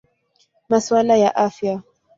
Masuala ya Afya.